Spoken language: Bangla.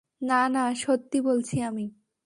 না, না, সত্যি বলছি আমি।